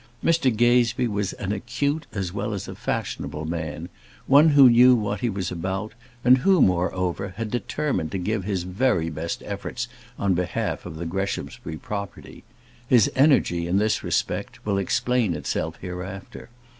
Mr Gazebee was an acute as well as a fashionable man; one who knew what he was about, and who, moreover, had determined to give his very best efforts on behalf of the Greshamsbury property. His energy, in this respect, will explain itself hereafter.